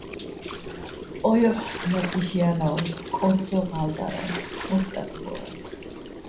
ო ჲოჰ̦ ლაწი́შ ჲანო́რ, ხკორ ცო ღა́ლდარალო̆, მოთთ ტატბო́რალო̆.